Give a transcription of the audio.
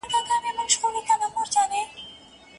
لارښود د شاګردانو د علمي ظرفیتونو د لوړولو لپاره پلانونه لري.